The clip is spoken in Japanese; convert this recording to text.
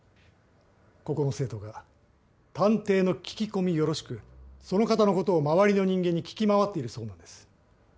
ここの生徒が探偵の聞き込みよろしくその方のことを周りの人間に聞き回っているそうなんです。